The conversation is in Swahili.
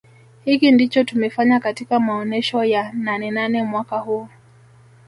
Hiki ndicho tumefanya katika maonesho ya Nanenane mwaka huu